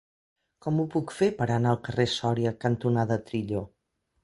Com ho puc fer per anar al carrer Sòria cantonada Trillo?